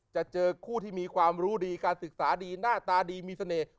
เจอคู่ที่มีความรู้ดีการศึกษาดีหน้าตาดีมีเสน่ห์